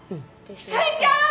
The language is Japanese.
ひかりちゃん！